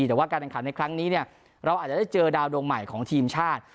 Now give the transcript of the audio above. แต่ว่าการแข่งขันในครั้งนี้เราอาจจะได้เจอดาวดวงใหม่ของทีมชาติ